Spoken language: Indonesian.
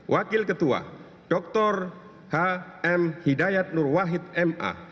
wakil ketua dr h m hidayat nurwahid m a